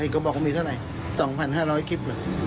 ก็บอกว่ามีเท่าไหร่๒๕๐๐คลิปเหรอ